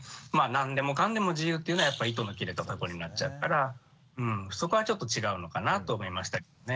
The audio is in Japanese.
何でもかんでも自由っていうのは糸の切れたたこになっちゃうからそこはちょっと違うのかなと思いましたけどね。